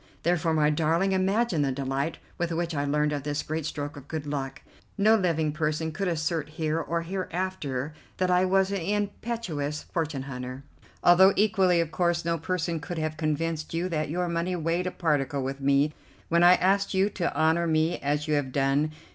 Therefore, my darling, imagine the delight with which I learned of this great stroke of good luck. No living person could assert here or hereafter that I was an impecunious fortune hunter, although equally, of course, no person could have convinced you that your money weighed a particle with me when I asked you to honour me as you have done.